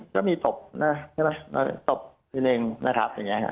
ก็มีตบตบพิเร็งนะครับอย่างนี้ค่ะ